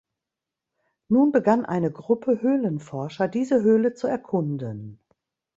Nun begann eine Gruppe Höhlenforscher diese Höhle zu erkunden.